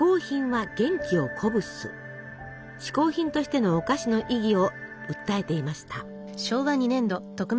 嗜好品としてのお菓子の意義を訴えていました。